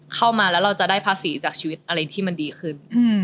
เข้ามาแล้วเราจะได้ภาษีจากชีวิตอะไรที่มันดีขึ้น